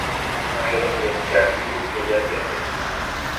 Angela queria copiar tudo o que ele havia feito.